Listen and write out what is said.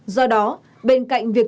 do đó bên cạnh việc thử nghiệm